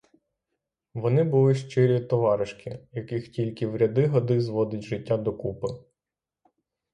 Вони були щирі товаришки, яких тільки вряди-годи зводить життя докупи.